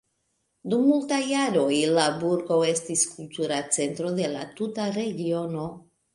Dum multaj jaroj la burgo estis kultura centro de la tuta regiono.